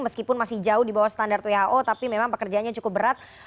meskipun masih jauh di bawah standar who tapi memang pekerjaannya cukup berat